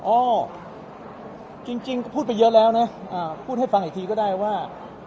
อ๋อจริงก็พูดไปเยอะแล้วนะพูดให้ฟังอีกทีก็ได้ว่า